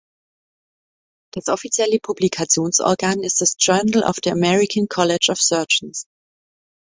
Das offizielle Publikationsorgan ist das "Journal of the American College of Surgeons".